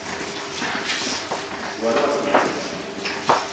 Waruaki dala.